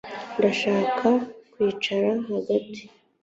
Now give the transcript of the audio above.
Ndashaka kwicara hagati